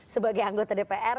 sebagai anggota dpr